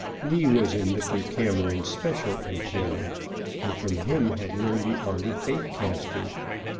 Lee was in Mr. Cameron's special employ, and from him had learned the art of bait casting.